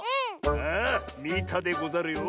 ああみたでござるよ。